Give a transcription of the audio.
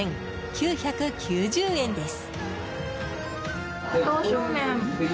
９９０円です。